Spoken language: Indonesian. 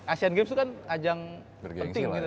asean games itu kan ajang penting gitu